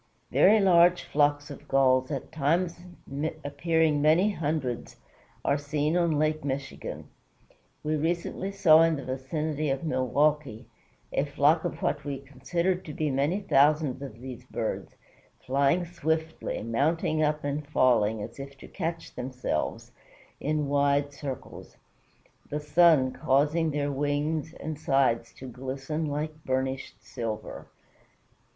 Very large flocks of Gulls, at times appearing many hundreds, are seen on Lake Michigan. We recently saw in the vicinity of Milwaukee a flock of what we considered to be many thousands of these birds, flying swiftly, mounting up, and falling, as if to catch themselves, in wide circles, the sun causing their wings and sides to glisten like burnished silver.